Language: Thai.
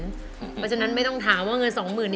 เพราะฉะนั้นไม่ต้องถามว่าเงิน๒๐๐๐